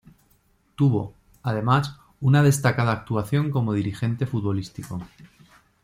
Tuvo, además, una destacada actuación como dirigente futbolístico.